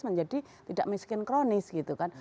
menjadi tidak miskin kronis gitu kan